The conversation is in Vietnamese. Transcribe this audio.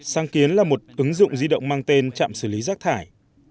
sáng kiến là một ứng dụng di động mang tên trạm xử lý rác thải